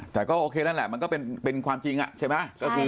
แต่ก็โอเคนั่นแหละมันก็เป็นความจริงใช่ไหม